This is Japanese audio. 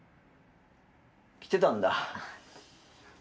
来てたんだ。